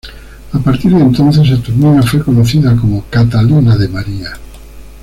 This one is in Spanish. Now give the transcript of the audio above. A partir de entonces, Saturnina fue conocida como Catalina de María.